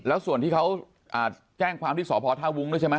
แล้วส่วนที่เขาแจ้งความที่สพท่าวุ้งด้วยใช่ไหม